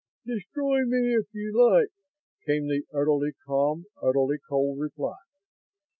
"Destroy me if you like," came the utterly calm, utterly cold reply.